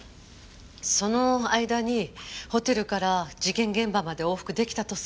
その間にホテルから事件現場まで往復出来たとすれば。